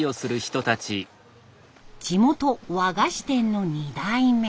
地元和菓子店の２代目。